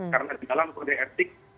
karena di dalam kode etik